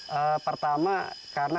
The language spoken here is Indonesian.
pertama karena kehilangan tarsiusnya